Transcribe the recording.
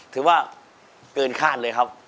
ถือว่าเกินคาดเลยครับ